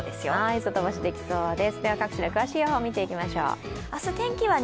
外干しできそうです。